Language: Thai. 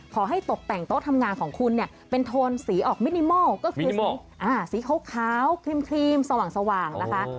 ตกแต่งโต๊ะทำงานของคุณเนี่ยเป็นโทนสีออกมินิมอลก็คือสีขาวครีมสว่างนะคะ